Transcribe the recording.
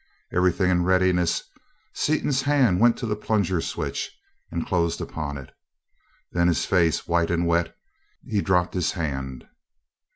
Everything in readiness, Seaton's hand went to the plunger switch and closed upon it. Then, his face white and wet, he dropped his hand.